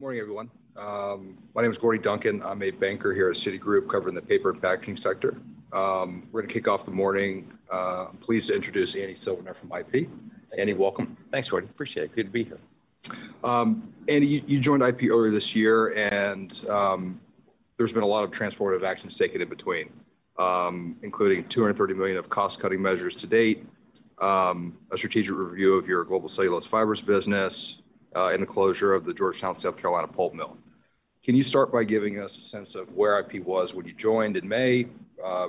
Morning, everyone. My name is Corey Duncan. I'm a banker here at Citigroup covering the paper and packaging sector. We're going to kick off the morning. I'm pleased to introduce Andy Silvernail from IP. Andy, welcome. Thanks, Corey. Appreciate it. Good to be here. Andy, you joined IP earlier this year, and there's been a lot of transformative actions taken in between, including $230 million of cost-cutting measures to date, a strategic review of your Global Cellulose Fibers business, and the closure of the Georgetown, South Carolina Pulp Mill. Can you start by giving us a sense of where IP was when you joined in May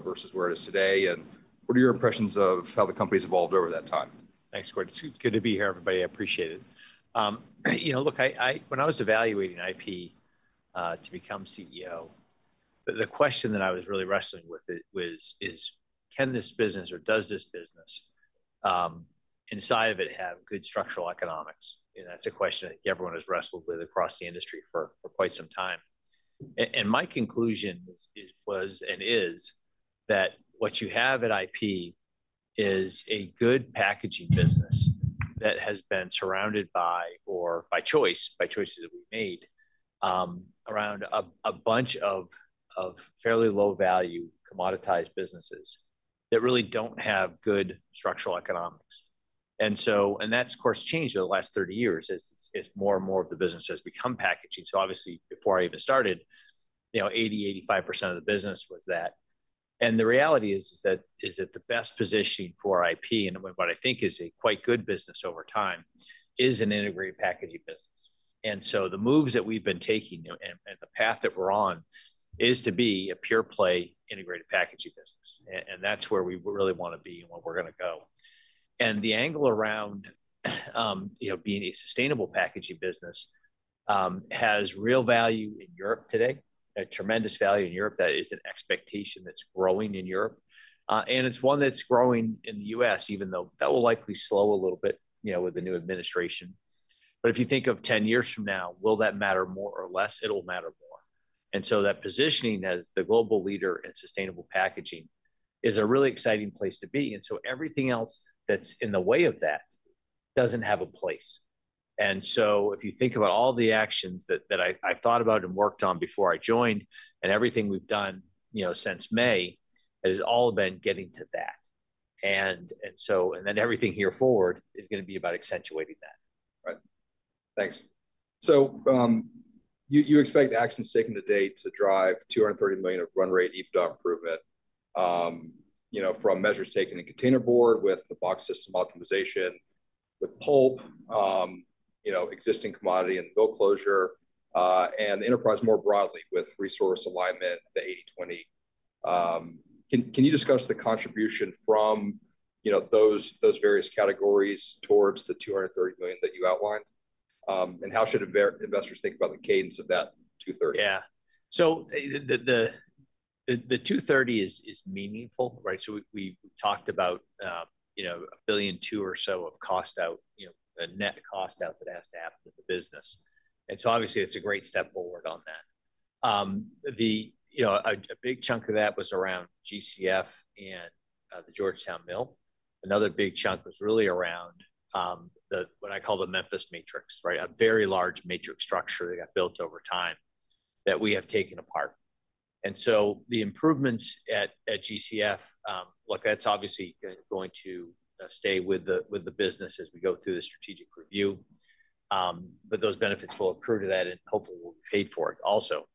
versus where it is today, and what are your impressions of how the company's evolved over that time? Thanks, Corey. It's good to be here, everybody. I appreciate it. Look, when I was evaluating IP to become CEO, the question that I was really wrestling with was, can this business, or does this business, inside of it, have good structural economics? That's a question that everyone has wrestled with across the industry for quite some time. And my conclusion was and is that what you have at IP is a good packaging business that has been surrounded by, or by choice, by choices that we've made around a bunch of fairly low-value commoditized businesses that really don't have good structural economics. And that's, of course, changed over the last 30 years as more and more of the business has become packaging. So obviously, before I even started, 80%, 85% of the business was that. And the reality is that the best positioning for IP, and what I think is a quite good business over time, is an integrated packaging business. And so the moves that we've been taking and the path that we're on is to be a pure-play integrated packaging business. And that's where we really want to be and where we're going to go. And the angle around being a sustainable packaging business has real value in Europe today, a tremendous value in Europe that is an expectation that's growing in Europe. And it's one that's growing in the U.S., even though that will likely slow a little bit with the new administration. But if you think of 10 years from now, will that matter more or less? It'll matter more. And so that positioning as the global leader in sustainable packaging is a really exciting place to be. And so everything else that's in the way of that doesn't have a place. And so if you think about all the actions that I thought about and worked on before I joined and everything we've done since May, it has all been getting to that. And then everything here forward is going to be about accentuating that. Right. Thanks. So you expect actions taken today to drive $230 million of run rate EBITDA improvement from measures taken in containerboard with the box system optimization, with pulp, existing commodity, and mill closure, and enterprise more broadly with resource alignment, the 80/20. Can you discuss the contribution from those various categories towards the $230 million that you outlined? And how should investors think about the cadence of that $230? Yeah, so the $230 million is meaningful, right? So we talked about $1.2 billion or so of cost out, net cost out that has to happen in the business, and so obviously, it's a great step forward on that. A big chunk of that was around GCF and the Georgetown Mill. Another big chunk was really around what I call the Memphis Matrix, right? A very large matrix structure that got built over time that we have taken apart, and so the improvements at GCF, look, that's obviously going to stay with the business as we go through the strategic review. But those benefits will accrue to that, and hopefully, we'll be paid for it also.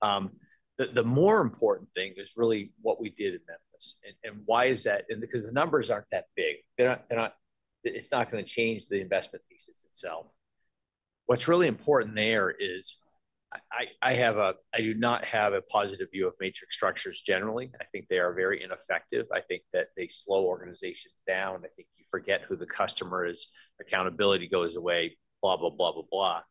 The more important thing is really what we did in Memphis. And why is that? Because the numbers aren't that big. It's not going to change the investment thesis itself. What's really important there is I do not have a positive view of matrix structures generally. I think they are very ineffective. I think that they slow organizations down. I think you forget who the customer is. Accountability goes away, blah, blah, blah, blah, blah.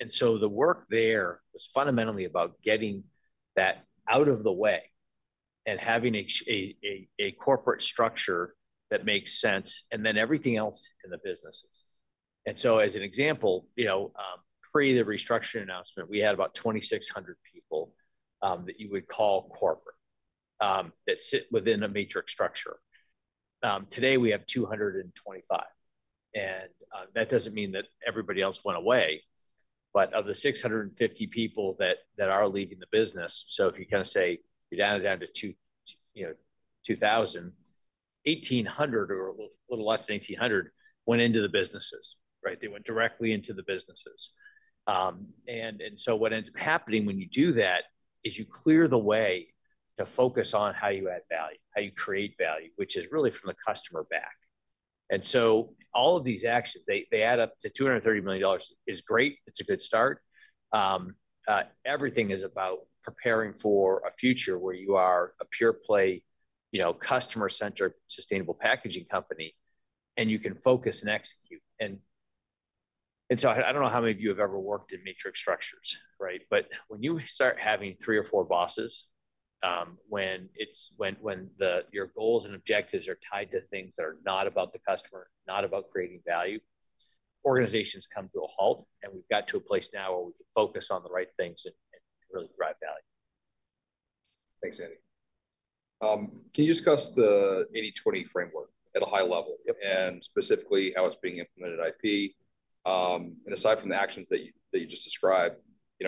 And so the work there was fundamentally about getting that out of the way and having a corporate structure that makes sense, and then everything else in the businesses. And so as an example, pre the restructuring announcement, we had about 2,600 people that you would call corporate that sit within a matrix structure. Today, we have 225. And that doesn't mean that everybody else went away. But of the 650 people that are leaving the business, so if you kind of say you're down to 2,000, 1,800, or a little less than 1,800 went into the businesses, right? They went directly into the businesses. And so what ends up happening when you do that is you clear the way to focus on how you add value, how you create value, which is really from the customer back. And so all of these actions, they add up to $230 million, is great. It's a good start. Everything is about preparing for a future where you are a pure-play, customer-centered sustainable packaging company, and you can focus and execute. And so I don't know how many of you have ever worked in matrix structures, right? But when you start having three or four bosses, when your goals and objectives are tied to things that are not about the customer, not about creating value, organizations come to a halt, and we've got to a place now where we can focus on the right things and really drive value. Thanks, Andy. Can you discuss the 80/20 framework at a high level and specifically how it's being implemented at IP? and aside from the actions that you just described,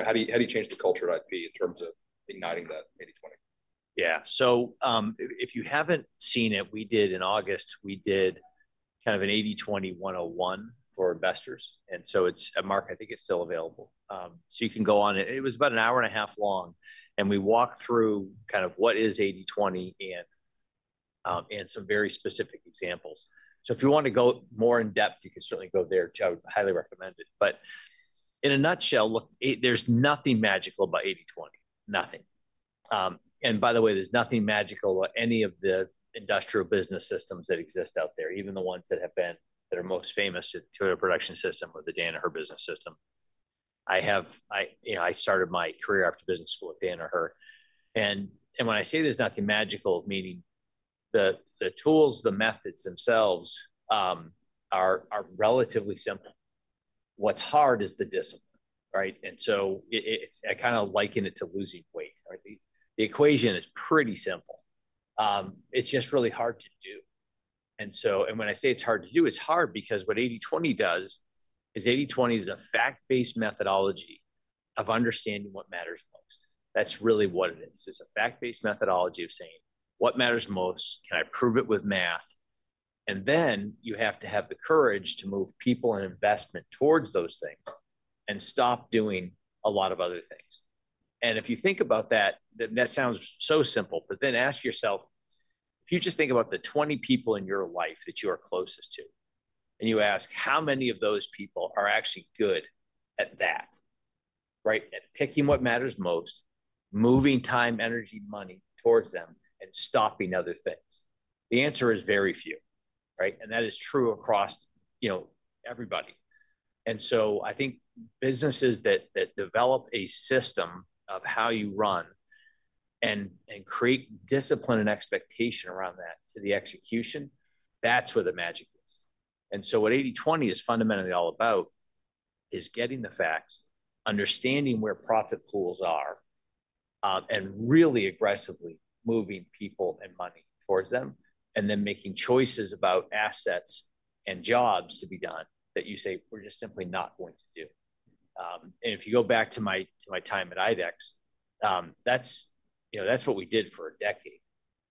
how do you change the culture at IP in terms of igniting that 80/20? Yeah. So if you haven't seen it, we did in August—we did kind of an 80/20 101 for investors, and so it's at Mark. I think it's still available, so you can go on it. It was about an hour and a half long, and we walked through kind of what is 80/20 and some very specific examples, so if you want to go more in depth, you can certainly go there too. I would highly recommend it, but in a nutshell, look, there's nothing magical about 80/20. Nothing, and by the way, there's nothing magical about any of the industrial business systems that exist out there, even the ones that are most famous, the Toyota Production System or the Danaher Business System. I started my career after business school at Danaher. And when I say there's nothing magical, meaning the tools, the methods themselves are relatively simple. What's hard is the discipline, right? And so I kind of liken it to losing weight, right? The equation is pretty simple. It's just really hard to do. And when I say it's hard to do, it's hard because what 80/20 does is 80/20 is a fact-based methodology of understanding what matters most. That's really what it is. It's a fact-based methodology of saying, "What matters most? Can I prove it with math?" And then you have to have the courage to move people and investment towards those things and stop doing a lot of other things. And if you think about that, that sounds so simple. But then ask yourself, if you just think about the 20 people in your life that you are closest to, and you ask, "How many of those people are actually good at that, right? At picking what matters most, moving time, energy, money towards them, and stopping other things?" The answer is very few, right? And that is true across everybody. And so I think businesses that develop a system of how you run and create discipline and expectation around that to the execution, that's where the magic is. What 80/20 is fundamentally all about is getting the facts, understanding where profit pools are, and really aggressively moving people and money towards them, and then making choices about assets and jobs to be done that you say, "We're just simply not going to do." If you go back to my time at IDEX, that's what we did for a decade.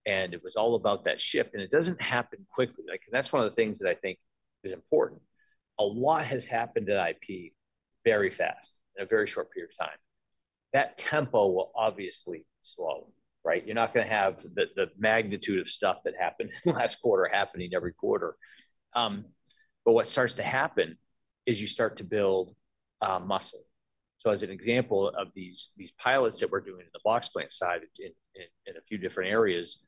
And it was all about that shift. And it doesn't happen quickly. And that's one of the things that I think is important. A lot has happened at IP very fast in a very short period of time. That tempo will obviously slow, right? You're not going to have the magnitude of stuff that happened in the last quarter happening every quarter. But what starts to happen is you start to build muscle. So as an example of these pilots that we're doing in the box plant side in a few different areas,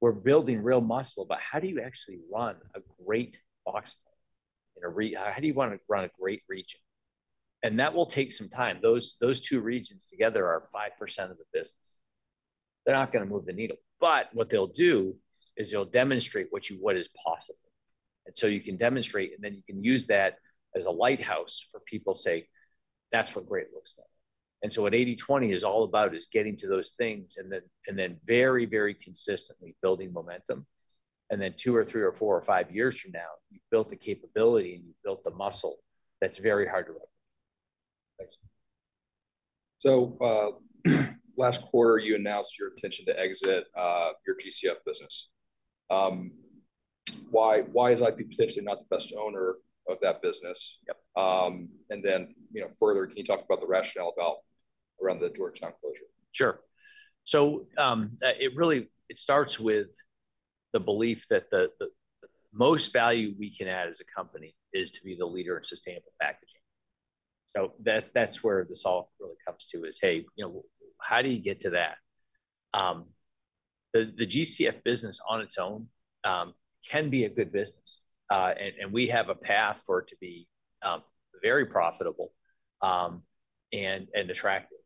we're building real muscle about how do you actually run a great box plant? How do you want to run a great region? And that will take some time. Those two regions together are 5% of the business. They're not going to move the needle. But what they'll do is they'll demonstrate what is possible. And so you can demonstrate, and then you can use that as a lighthouse for people saying, "That's what great looks like." And so what 80/20 is all about is getting to those things and then very, very consistently building momentum. And then two or three or four or five years from now, you've built the capability and you've built the muscle that's very hard to replicate. Thanks. So last quarter, you announced your intention to exit your GCF business. Why is IP potentially not the best owner of that business? And then further, can you talk about the rationale around the Georgetown closure? Sure. So it really starts with the belief that the most value we can add as a company is to be the leader in sustainable packaging. So that's where this all really comes to is, "Hey, how do you get to that?" The GCF business on its own can be a good business. And we have a path for it to be very profitable and attractive.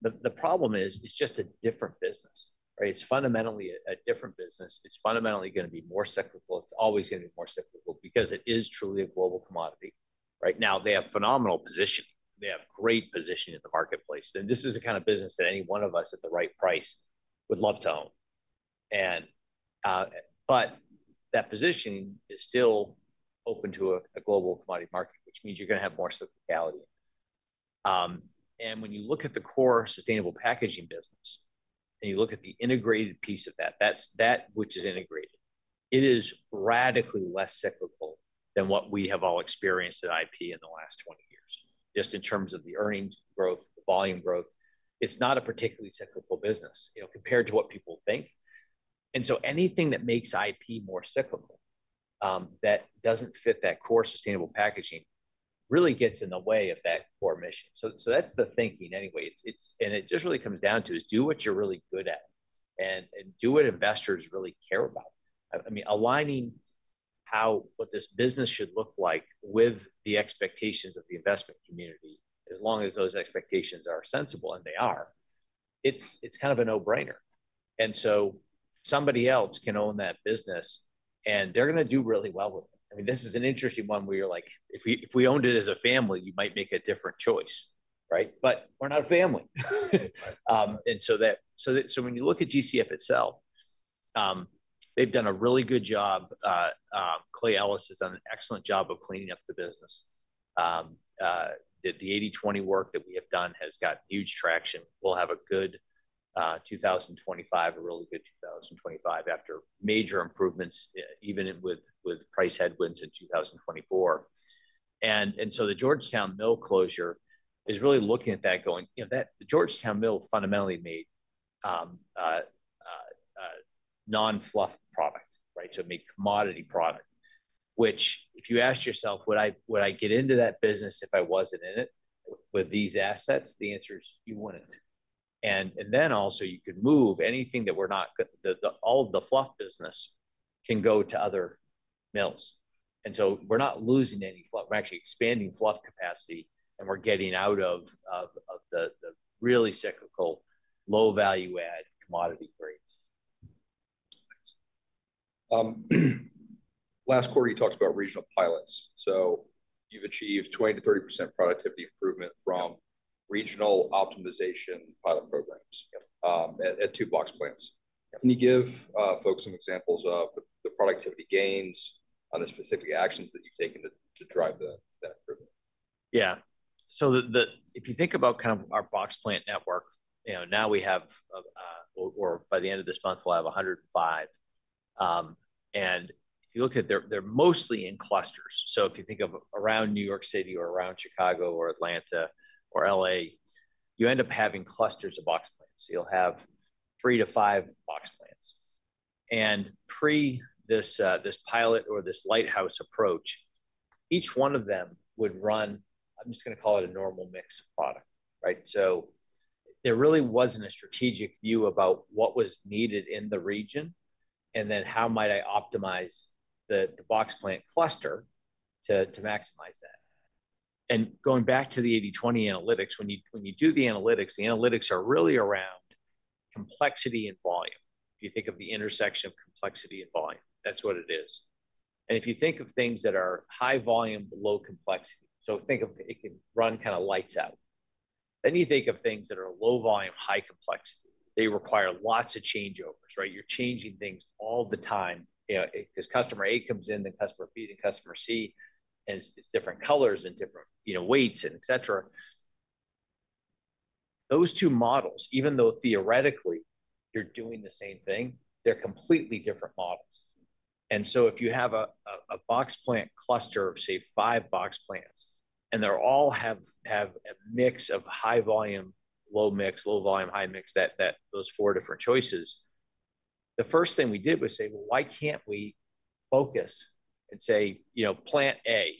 The problem is it's just a different business, right? It's fundamentally a different business. It's fundamentally going to be more cyclical. It's always going to be more cyclical because it is truly a global commodity, right? Now, they have phenomenal positioning. They have great positioning in the marketplace. And this is the kind of business that any one of us at the right price would love to own. But that positioning is still open to a global commodity market, which means you're going to have more cyclicality. And when you look at the core sustainable packaging business and you look at the integrated piece of that, that which is integrated, it is radically less cyclical than what we have all experienced at IP in the last 20 years, just in terms of the earnings growth, the volume growth. It's not a particularly cyclical business compared to what people think. And so anything that makes IP more cyclical that doesn't fit that core sustainable packaging really gets in the way of that core mission. So that's the thinking anyway. And it just really comes down to is do what you're really good at and do what investors really care about. I mean, aligning how what this business should look like with the expectations of the investment community, as long as those expectations are sensible, and they are, it's kind of a no-brainer, and so somebody else can own that business, and they're going to do really well with it. I mean, this is an interesting one where you're like, "If we owned it as a family, you might make a different choice," right? but we're not a family, and so when you look at GCF itself, they've done a really good job. Clay Ellis has done an excellent job of cleaning up the business. The 80/20 work that we have done has gotten huge traction. We'll have a good 2025, a really good 2025 after major improvements, even with price headwinds in 2024. And so the Georgetown Mill closure is really looking at that going, "The Georgetown Mill fundamentally made non-fluff product," right? So it made commodity product, which if you ask yourself, "Would I get into that business if I wasn't in it with these assets?" The answer is you wouldn't. And then also you could move anything that we're not all of the fluff business can go to other mills. And so we're not losing any fluff. We're actually expanding fluff capacity, and we're getting out of the really cyclical, low-value-add commodity grades. Last quarter, you talked about regional pilots. So you've achieved 20%-30% productivity improvement from regional optimization pilot programs at two box plants. Can you give folks some examples of the productivity gains on the specific actions that you've taken to drive that improvement? Yeah. So if you think about kind of our box plant network, now we have, or by the end of this month, we'll have 105. And if you look at it, they're mostly in clusters. So if you think of around New York City or around Chicago or Atlanta or L.A., you end up having clusters of box plants. You'll have 3-5 box plants. And pre this pilot or this lighthouse approach, each one of them would run. I'm just going to call it a normal mix product, right? So there really wasn't a strategic view about what was needed in the region and then how might I optimize the box plant cluster to maximize that. And going back to the 80/20 analytics, when you do the analytics, the analytics are really around complexity and volume. If you think of the intersection of complexity and volume, that's what it is. And if you think of things that are high volume, low complexity, so think of it can run kind of lights out. Then you think of things that are low volume, high complexity. They require lots of changeovers, right? You're changing things all the time because customer A comes in, then customer B, then customer C, and it's different colors and different weights and etc. Those two models, even though theoretically you're doing the same thing, they're completely different models. And so if you have a box plant cluster of, say, five box plants, and they all have a mix of high volume, low mix, low volume, high mix—that's those four different choices, the first thing we did was say, "Well, why can't we focus and say, 'Plant A,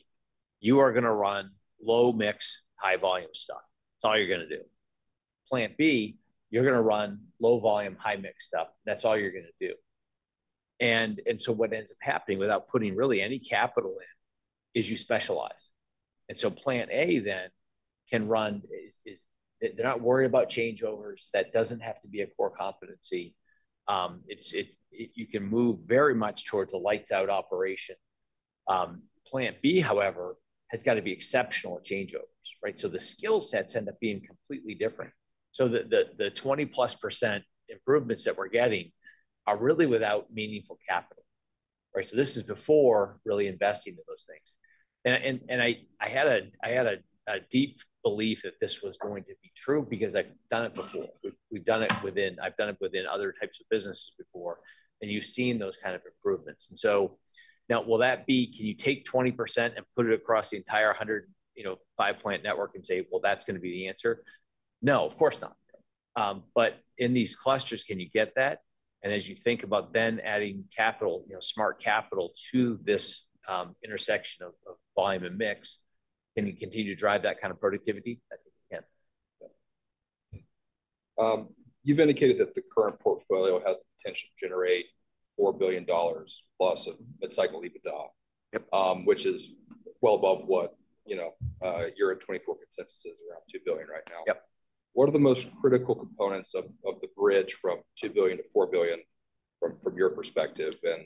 you are going to run low-mix, high-volume stuff. That's all you're going to do. Plant B, you're going to run low-volume, high-mix stuff. That's all you're going to do.'" And so what ends up happening without putting really any capital in is you specialize. And so plant A then can run as they're not worried about changeovers. That doesn't have to be a core competency. You can move very much towards a lights-out operation. Plant B, however, has got to be exceptional at changeovers, right? So the skill sets end up being completely different. So the 20+% improvements that we're getting are really without meaningful capital, right? So this is before really investing in those things. And I had a deep belief that this was going to be true because I've done it before. I've done it within other types of businesses before. And you've seen those kind of improvements. And so now, can you take 20% and put it across the entire 105-plant network and say, "Well, that's going to be the answer"? No, of course not. But in these clusters, can you get that? And as you think about then adding capital, smart capital to this intersection of volume and mix, can you continue to drive that kind of productivity? I think you can. You've indicated that the current portfolio has the potential to generate $4 billion+ of mid-cycle EBITDA, which is well above what your 2024 consensus is around 2 billion right now. What are the most critical components of the bridge from $2 billion-$4 billion from your perspective and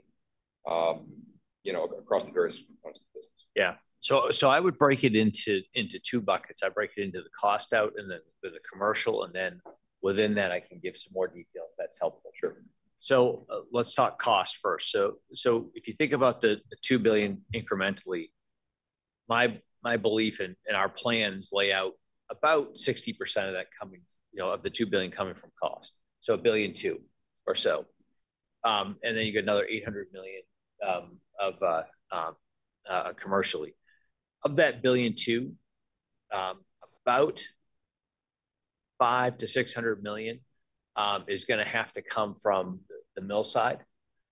across the various components of the business? Yeah. So I would break it into two buckets. I break it into the cost out and then the commercial. And then within that, I can give some more detail if that's helpful. Sure. So let's talk cost first. So if you think about the $2 billion incrementally, my belief and our plans lay out about 60% of that coming off the $2 billion coming from cost, so a billion two or so. And then you get another $800 million commercially. Of that billion two, about $500 million-$600 million is going to have to come from the mill side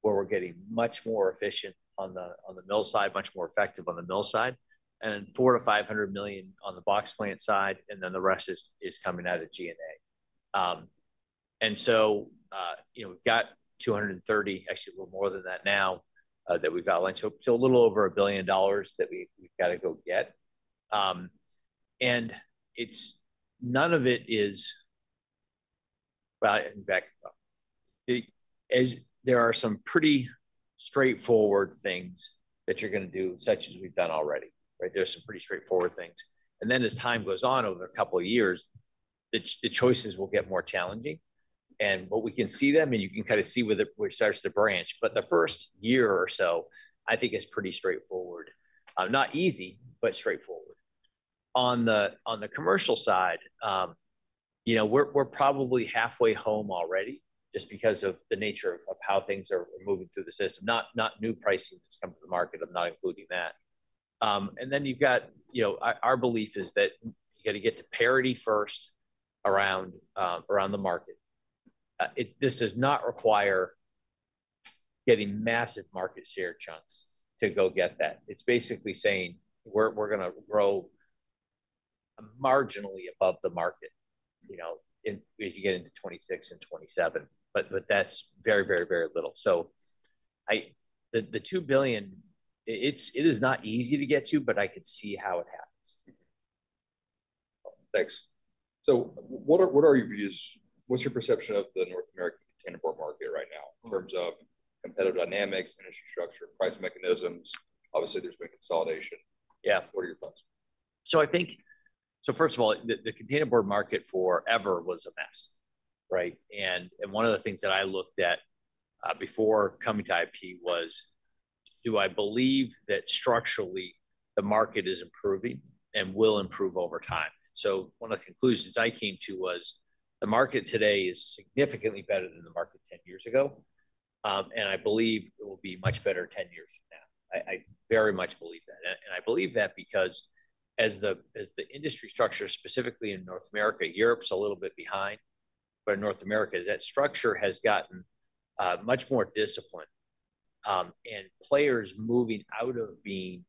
where we're getting much more efficient on the mill side, much more effective on the mill side, and $400 million-$500 million on the box plant side, and then the rest is coming out of G&A. And so we've got $230 million, actually a little more than that now that we've got a lens to a little over $1 billion that we've got to go get. And none of it is, well, in fact, there are some pretty straightforward things that you're going to do, such as we've done already, right? There's some pretty straightforward things. And then as time goes on over a couple of years, the choices will get more challenging. And what we can see them, and you can kind of see where it starts to branch. But the first year or so, I think it's pretty straightforward. Not easy, but straightforward. On the commercial side, we're probably halfway home already just because of the nature of how things are moving through the system, not new pricing that's come to the market. I'm not including that. And then you've got our belief is that you got to get to parity first around the market. This does not require getting massive market share chunks to go get that. It's basically saying we're going to grow marginally above the market as you get into 2026 and 2027. But that's very, very, very little. So the $2 billion, it is not easy to get to, but I can see how it happens. Thanks. So what are your views? What's your perception of the North American containerboard market right now in terms of competitive dynamics, energy structure, price mechanisms? Obviously, there's been consolidation. What are your thoughts? So I think, so first of all, the containerboard market forever was a mess, right? And one of the things that I looked at before coming to IP was, do I believe that structurally the market is improving and will improve over time? So one of the conclusions I came to was the market today is significantly better than the market 10 years ago. And I believe it will be much better 10 years from now. I very much believe that. And I believe that because as the industry structure specifically in North America, Europe's a little bit behind, but in North America, that structure has gotten much more disciplined and players moving out of being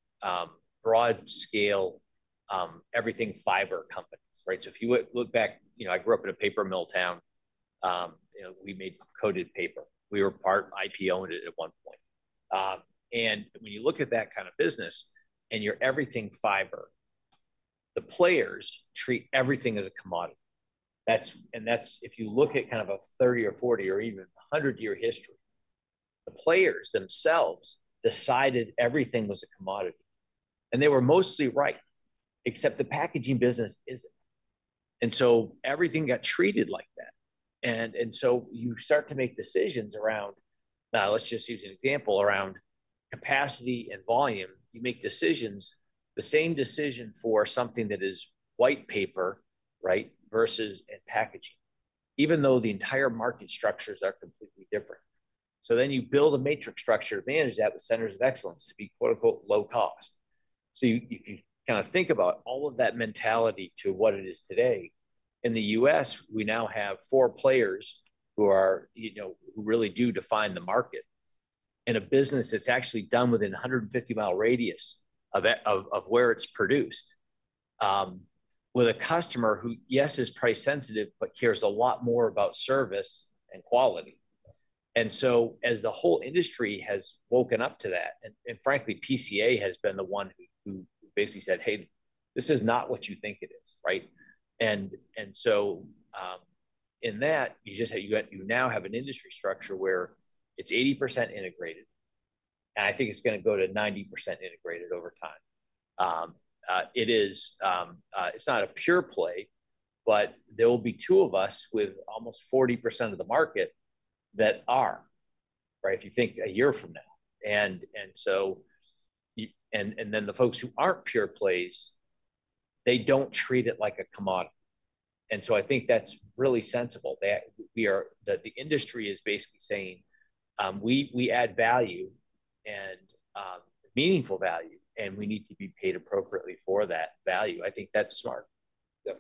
broad-scale, everything fiber companies, right? So if you look back, I grew up in a paper mill town. We made coated paper. We were part IP-owned at one point. And when you look at that kind of business and you're everything fiber, the players treat everything as a commodity. And that's if you look at kind of a 30 or 40 or even 100-year history, the players themselves decided everything was a commodity. And they were mostly right, except the packaging business isn't. And so everything got treated like that. And so you start to make decisions around, now let's just use an example around capacity and volume. You make decisions, the same decision for something that is white paper, right, versus packaging, even though the entire market structures are completely different. So then you build a matrix structure to manage that with centers of excellence to be quote-unquote low cost. So you can kind of think about all of that mentality to what it is today. In the U.S., we now have four players who really do define the market in a business that's actually done within a 150-mi radius of where it's produced with a customer who, yes, is price sensitive, but cares a lot more about service and quality. And so as the whole industry has woken up to that, and frankly, PCA has been the one who basically said, "Hey, this is not what you think it is," right? And so in that, you now have an industry structure where it's 80% integrated. And I think it's going to go to 90% integrated over time. It's not a pure play, but there will be two of us with almost 40% of the market that are, right, if you think a year from now. And then the folks who aren't pure plays, they don't treat it like a commodity. And so I think that's really sensible. The industry is basically saying, "We add value and meaningful value, and we need to be paid appropriately for that value." I think that's smart. Yeah.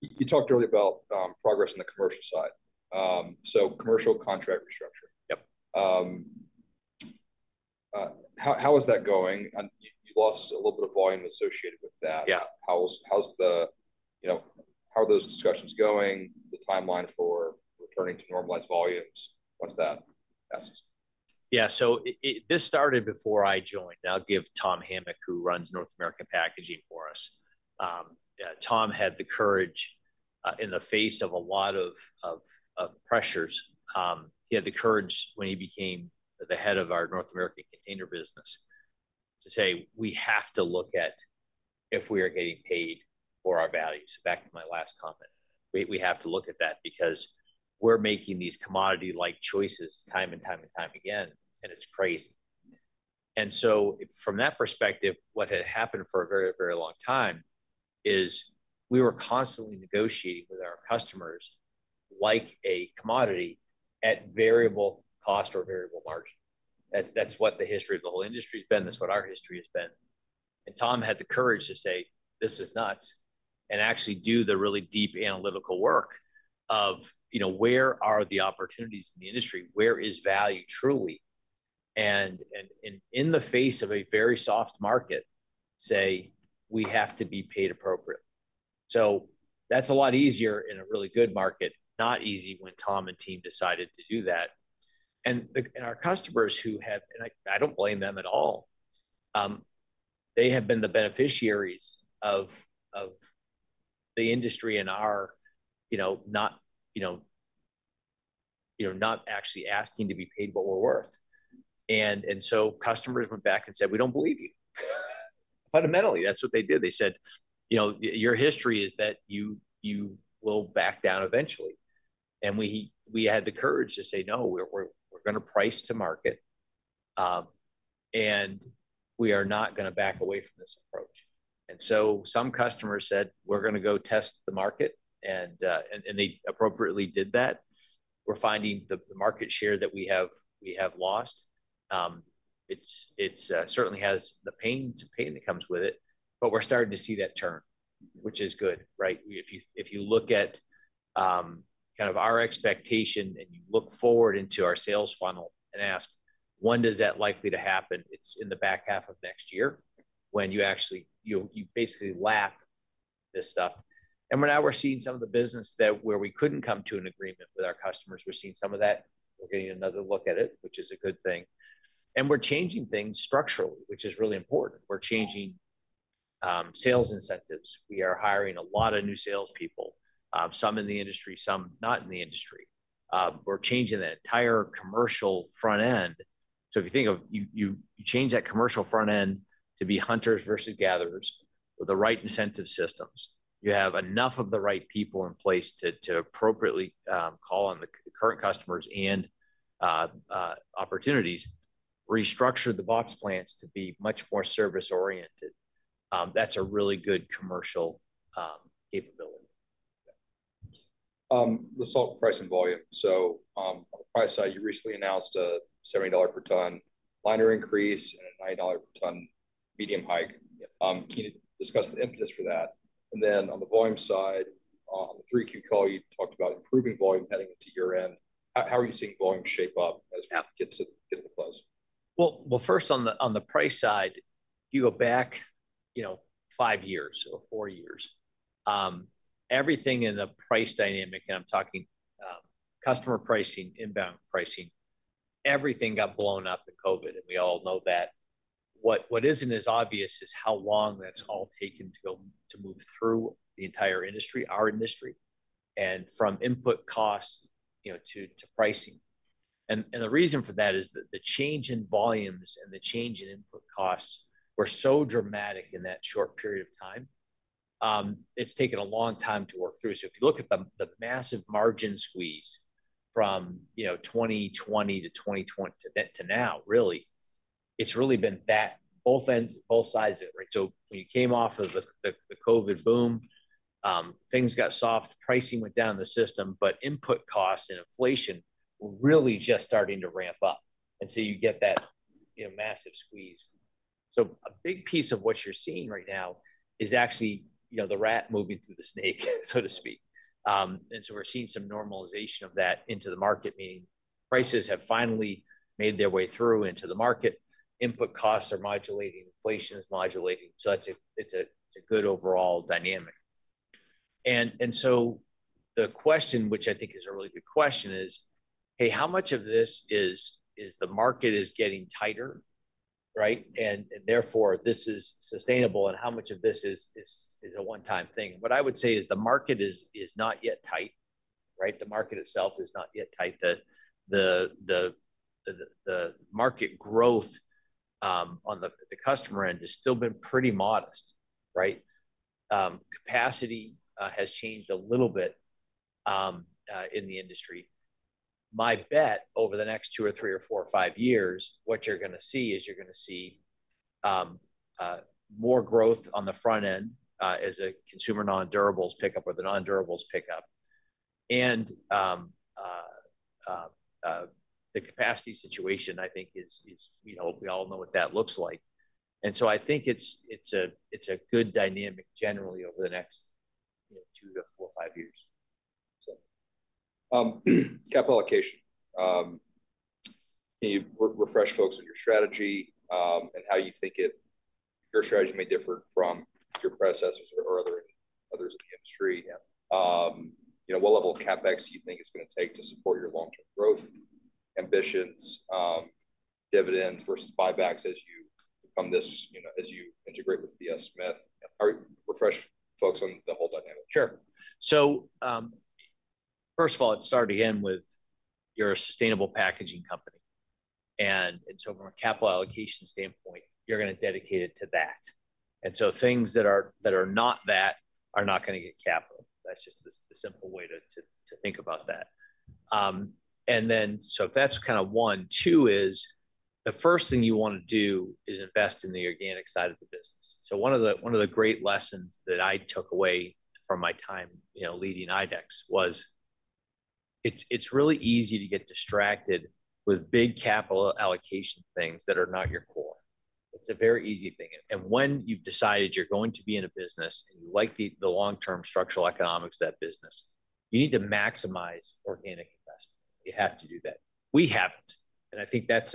You talked earlier about progress on the commercial side. So commercial contract restructure. How is that going? You lost a little bit of volume associated with that. How are those discussions going? The timeline for returning to normalized volumes, what's that? Yeah. So this started before I joined. I'll give Tom Hamic, who runs North American Container for us. Tom had the courage in the face of a lot of pressures. He had the courage when he became the head of our North American container business to say, "We have to look at if we are getting paid for our values." Back to my last comment. We have to look at that because we're making these commodity-like choices time and time and time again, and it's crazy. And so from that perspective, what had happened for a very, very long time is we were constantly negotiating with our customers like a commodity at variable cost or variable margin. That's what the history of the whole industry has been. That's what our history has been. And Tom had the courage to say, "This is nuts," and actually do the really deep analytical work of where are the opportunities in the industry? Where is value truly? And in the face of a very soft market, say, "We have to be paid appropriately." So that's a lot easier in a really good market, not easy when Tom and team decided to do that. And our customers who have, and I don't blame them at all, they have been the beneficiaries of the industry and our not actually asking to be paid what we're worth. And so customers went back and said, "We don't believe you." Fundamentally, that's what they did. They said, "Your history is that you will back down eventually." And we had the courage to say, "No, we're going to price to market, and we are not going to back away from this approach." And so some customers said, "We're going to go test the market," and they appropriately did that. We're finding the market share that we have lost. It certainly has the pain that comes with it, but we're starting to see that turn, which is good, right? If you look at kind of our expectation and you look forward into our sales funnel and ask, "When is that likely to happen?" It's in the back half of next year when you basically lap this stuff. And now we're seeing some of the business where we couldn't come to an agreement with our customers. We're seeing some of that. We're getting another look at it, which is a good thing, and we're changing things structurally, which is really important. We're changing sales incentives. We are hiring a lot of new salespeople, some in the industry, some not in the industry. We're changing the entire commercial front end so if you think of you change that commercial front end to be hunters versus gatherers with the right incentive systems. You have enough of the right people in place to appropriately call on the current customers and opportunities, restructure the box plants to be much more service-oriented. That's a really good commercial capability. The last price and volume, so on the price side, you recently announced a $70 per ton liner increase and a $90 per ton medium hike. Can you discuss the impetus for that? And then on the volume side, on the 3Q call, you talked about improving volume heading into year-end. How are you seeing volume shape up as we get to the close? First on the price side, you go back five years or four years. Everything in the price dynamic, and I'm talking customer pricing, inbound pricing, everything got blown up in COVID, and we all know that. What isn't as obvious is how long that's all taken to move through the entire industry, our industry, and from input cost to pricing. And the reason for that is that the change in volumes and the change in input costs were so dramatic in that short period of time. It's taken a long time to work through. So if you look at the massive margin squeeze from 2020-2024 to now, really, it's really been that both sides of it, right? So when you came off of the COVID boom, things got soft. Pricing went down in the system, but input costs and inflation were really just starting to ramp up. You get that massive squeeze. A big piece of what you're seeing right now is actually the rat moving through the snake, so to speak. We're seeing some normalization of that into the market, meaning prices have finally made their way through into the market. Input costs are modulating. Inflation is modulating. It's a good overall dynamic. The question, which I think is a really good question, is, "Hey, how much of this is the market is getting tighter, right? And therefore, this is sustainable, and how much of this is a one-time thing?" What I would say is the market is not yet tight, right? The market itself is not yet tight. The market growth on the customer end has still been pretty modest, right? Capacity has changed a little bit in the industry. My bet over the next two or three or four or five years, what you're going to see is you're going to see more growth on the front end as consumer non-durables pick up or the non-durables pick up. And the capacity situation, I think, is we all know what that looks like. And so I think it's a good dynamic generally over the next two to four or five years. Capital allocation. Can you refresh folks on your strategy and how you think your strategy may differ from your predecessors or others in the industry? What level of CapEx do you think it's going to take to support your long-term growth ambitions, dividends versus buybacks as you become this as you integrate with DS Smith? Refresh folks on the whole dynamic? Sure. So first of all, it started again with you're a sustainable packaging company. And so from a capital allocation standpoint, you're going to dedicate it to that. And so things that are not that are not going to get capital. That's just the simple way to think about that. And then so that's kind of one. Two is the first thing you want to do is invest in the organic side of the business. So one of the great lessons that I took away from my time leading IDEX was it's really easy to get distracted with big capital allocation things that are not your core. It's a very easy thing. And when you've decided you're going to be in a business and you like the long-term structural economics of that business, you need to maximize organic investment. You have to do that. We haven't. And I think that's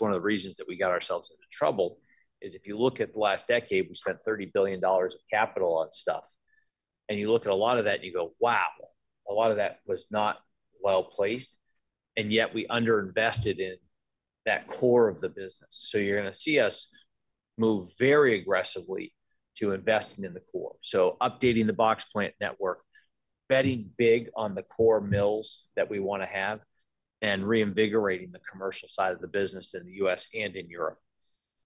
one of the reasons that we got ourselves into trouble is if you look at the last decade, we spent $30 billion of capital on stuff. And you look at a lot of that and you go, "Wow." A lot of that was not well placed, and yet we underinvested in that core of the business. So you're going to see us move very aggressively to investing in the core. So updating the box plant network, betting big on the core mills that we want to have, and reinvigorating the commercial side of the business in the U.S. and in Europe.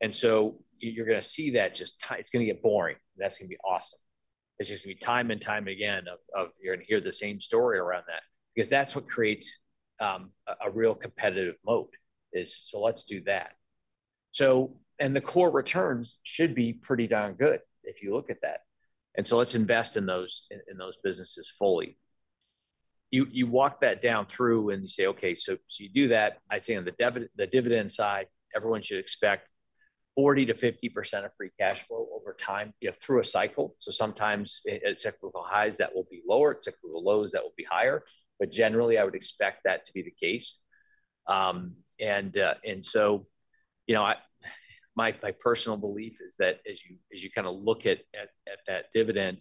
And so you're going to see that just it's going to get boring. That's going to be awesome. It's just going to be time and time again of you're going to hear the same story around that because that's what creates a real competitive moat is, "So let's do that." And the core returns should be pretty darn good if you look at that. And so let's invest in those businesses fully. You walk that down through and you say, "Okay. So you do that." I'd say on the dividend side, everyone should expect 40%-50% of free cash flow over time through a cycle. So sometimes at cyclical highs, that will be lower. At cyclical lows, that will be higher. But generally, I would expect that to be the case. And so my personal belief is that as you kind of look at that dividend,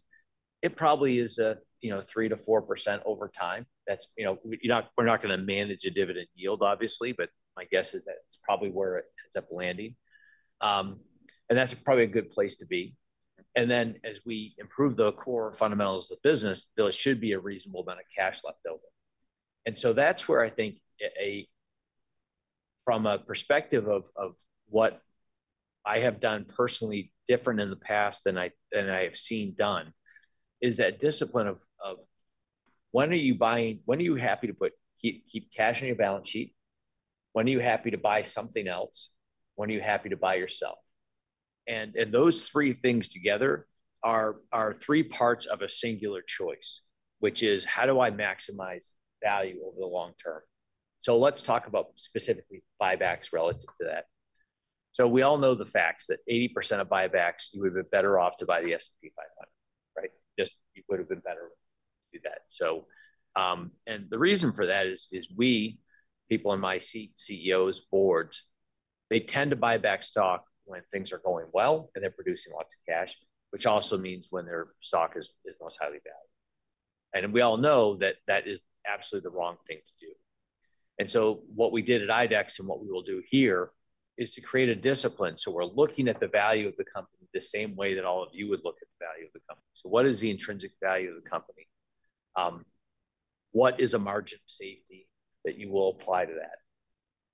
it probably is a 3%-4% over time. We're not going to manage a dividend yield, obviously, but my guess is that it's probably where it ends up landing, and that's probably a good place to be, and then as we improve the core fundamentals of the business, there should be a reasonable amount of cash left over, and so that's where I think from a perspective of what I have done personally different in the past than I have seen done is that discipline of when are you happy to keep cash on your balance sheet? When are you happy to buy something else? When are you happy to buy yourself? And those three things together are three parts of a singular choice, which is how do I maximize value over the long term, so let's talk about specifically buybacks relative to that. So we all know the facts that 80% of buybacks, you would have been better off to buy the S&P 500, right? Just you would have been better off to do that. And the reason for that is we, people in my seat, CEOs, boards, they tend to buy back stock when things are going well and they're producing lots of cash, which also means when their stock is most highly valued. And we all know that that is absolutely the wrong thing to do. And so what we did at IDEX and what we will do here is to create a discipline. So we're looking at the value of the company the same way that all of you would look at the value of the company. So what is the intrinsic value of the company? What is a margin of safety that you will apply to that?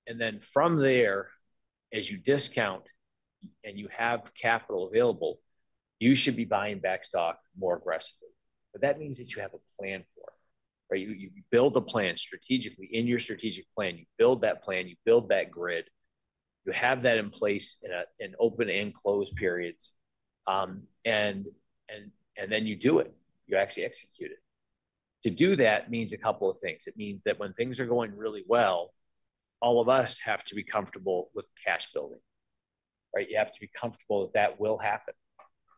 And then from there, as you discount and you have capital available, you should be buying back stock more aggressively. But that means that you have a plan for it, right? You build a plan strategically. In your strategic plan, you build that plan. You build that grid. You have that in place in open and closed periods. And then you do it. You actually execute it. To do that means a couple of things. It means that when things are going really well, all of us have to be comfortable with cash building, right? You have to be comfortable that that will happen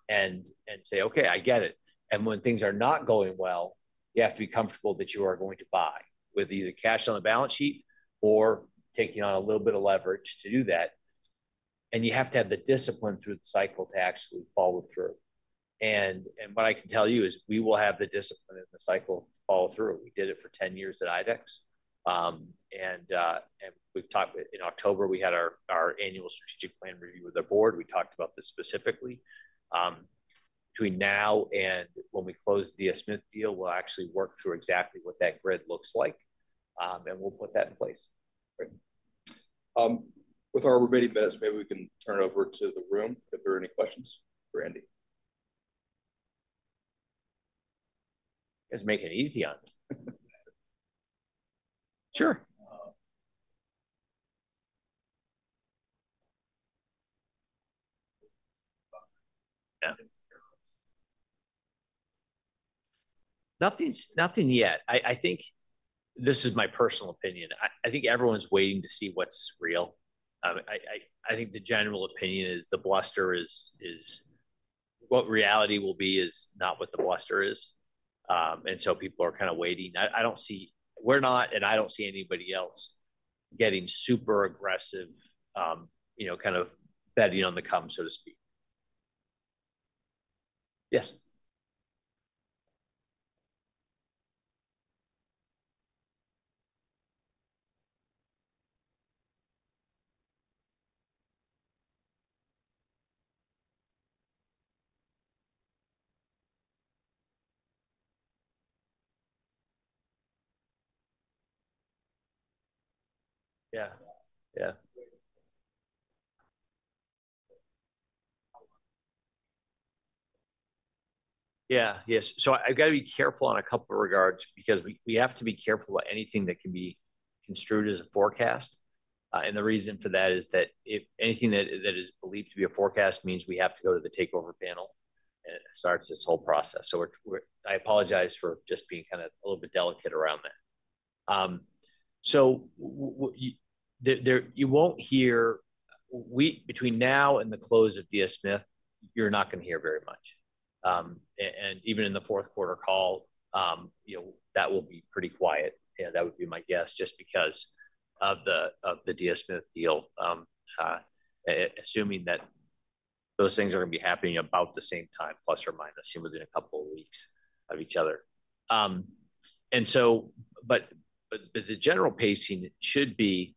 and say, "Okay, I get it." And when things are not going well, you have to be comfortable that you are going to buy with either cash on the balance sheet or taking on a little bit of leverage to do that. You have to have the discipline through the cycle to actually follow through. What I can tell you is we will have the discipline in the cycle to follow through. We did it for 10 years at IDEX. In October, we had our annual strategic plan review with the board. We talked about this specifically. Between now and when we close the DS Smith deal, we'll actually work through exactly what that grid looks like, and we'll put that in place. With our remaining minutes, maybe we can turn it over to the room if there are any questions for Andy. Just make it easy on me. Sure. Nothing yet. I think this is my personal opinion. I think everyone's waiting to see what's real. I think the general opinion is the bluster is what reality will be is not what the bluster is, and so people are kind of waiting. We're not, and I don't see anybody else getting super aggressive kind of betting on the come, so to speak. Yes. Yeah. Yeah. Yeah. Yes. So I've got to be careful on a couple of regards because we have to be careful about anything that can be construed as a forecast, and the reason for that is that anything that is believed to be a forecast means we have to go to the Takeover Panel and start this whole process, so I apologize for just being kind of a little bit delicate around that. So you won't hear between now and the close of DS Smith. You're not going to hear very much. And even in the fourth quarter call, that will be pretty quiet. That would be my guess just because of the DS Smith deal, assuming that those things are going to be happening about the same time, plus or minus, seem within a couple of weeks of each other. But the general pacing should be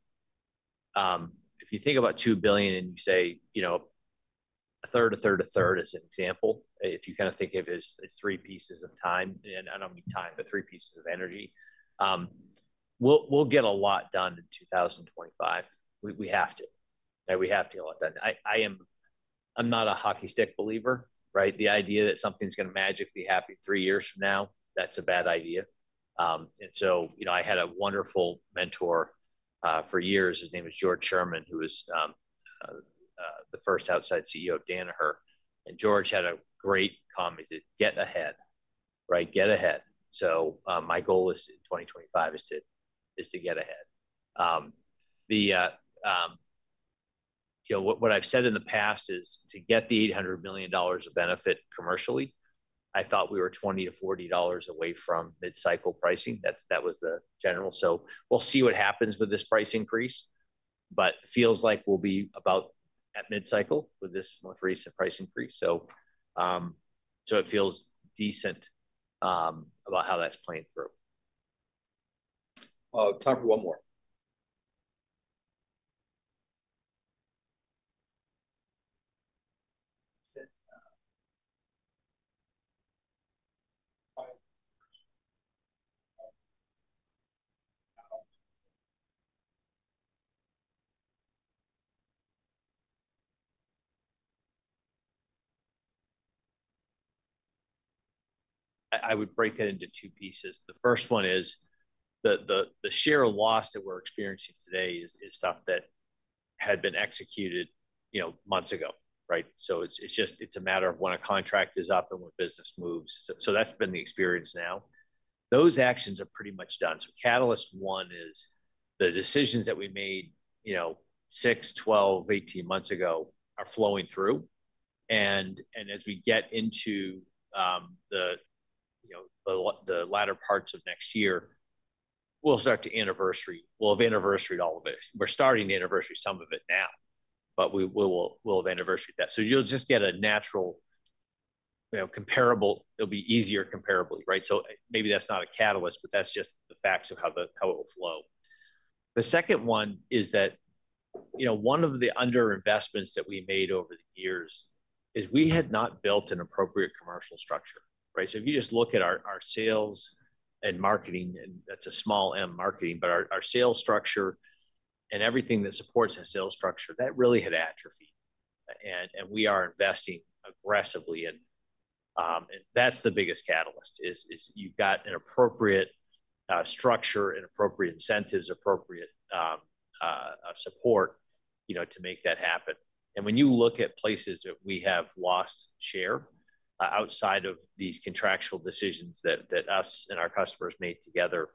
if you think about $2 billion and you say a third, a third, a third as an example, if you kind of think of it as three pieces of time and I don't mean time, but three pieces of energy, we'll get a lot done in 2025. We have to. We have to get a lot done. I'm not a hockey stick believer, right? The idea that something's going to magically happen three years from now, that's a bad idea. And so I had a wonderful mentor for years. His name is George Sherman, who was the first outside CEO of Danaher. And George had a great comment, "Get ahead," right? Get ahead. So my goal in 2025 is to get ahead. What I've said in the past is to get the $800 million of benefit commercially. I thought we were $20-$40 away from mid-cycle pricing. That was the general. So we'll see what happens with this price increase, but it feels like we'll be about at mid-cycle with this most recent price increase. So it feels decent about how that's playing through. Time for one more. I would break it into two pieces. The first one is the sheer loss that we're experiencing today is stuff that had been executed months ago, right? So it's a matter of when a contract is up and when business moves. So that's been the experience now. Those actions are pretty much done. So Catalyst One is the decisions that we made six, 12, 18 months ago are flowing through. And as we get into the latter parts of next year, we'll start to anniversary. We'll have anniversary to all of it. We're starting to anniversary some of it now, but we'll have anniversary to that. So you'll just get a natural comparable. It'll be easier comparably, right? So maybe that's not a catalyst, but that's just the facts of how it will flow. The second one is that one of the underinvestments that we made over the years is we had not built an appropriate commercial structure, right? So if you just look at our sales and marketing, and that's a small M marketing, but our sales structure and everything that supports our sales structure, that really had atrophy. And we are investing aggressively. And that's the biggest catalyst is you've got an appropriate structure, appropriate incentives, appropriate support to make that happen. And when you look at places that we have lost share outside of these contractual decisions that us and our customers made together,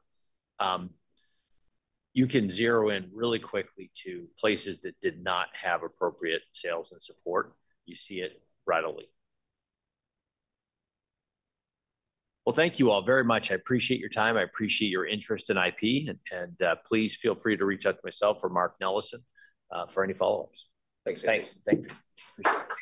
you can zero in really quickly to places that did not have appropriate sales and support. You see it readily. Well, thank you all very much. I appreciate your time. I appreciate your interest in IP. Please feel free to reach out to myself or Mark Nellessen for any follow-ups. Thanks, guys. Thanks. Thank you. Appreciate it.